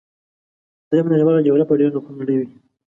دریمه نړیواله جګړه به ډېره خونړۍ وي